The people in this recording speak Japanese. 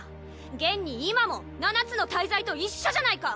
現に今も七つの大罪と一緒じゃないか。